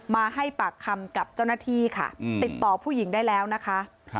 มาให้ปากคำกับเจ้าหน้าที่ค่ะติดต่อผู้หญิงได้แล้วนะคะ